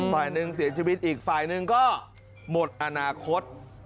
ฝ่ายหนึ่งเสียชีวิตอีกฝ่ายหนึ่งก็หมดอนาคต